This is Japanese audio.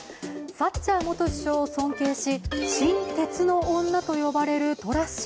サッチャー元首相を尊敬し新・鉄の女と呼ばれるトラス氏。